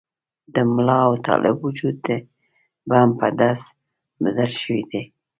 د ملا او طالب وجود د بم په ډز بدل شوي دي.